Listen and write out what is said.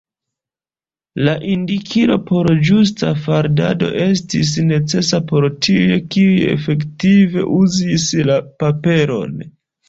La indikilo por ĝusta faldado estis necesa por tiuj, kiuj efektive uzis la paperon.